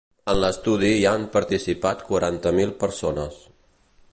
En l’estudi hi han participat quaranta mil persones.